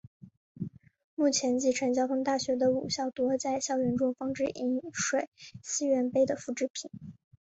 目前继承交通大学的五校多在校园中放置饮水思源碑的复制品。